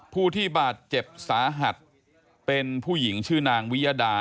ผู้ที่บาดเจ็บสาหัสเป็นผู้หญิงชื่อนางวิยดา